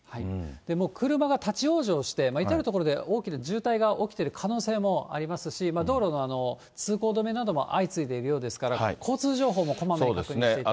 もう車が立ち往生して、至る所で大きな渋滞が起きている可能性もありますし、道路の通行止めなども相次いでいるようですから、交通情報もこまめに確認していただいて。